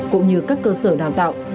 cũng như các cơ sở đào tạo